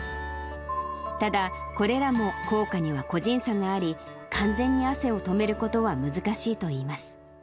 ただ、これらも効果には個人差があり、完全に汗を止めることは難しいといいます。